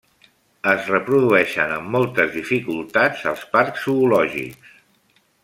Es reprodueixen amb moltes dificultats als parcs zoològics.